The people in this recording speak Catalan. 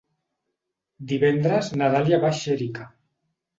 Divendres na Dàlia va a Xèrica.